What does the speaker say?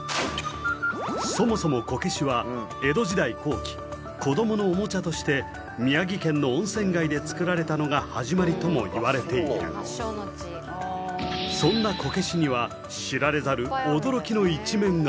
そもそもこけしは江戸時代後期子どものおもちゃとして宮城県の温泉街で作られたのが始まりともいわれているそんなこけしには知られざる驚きの一面が！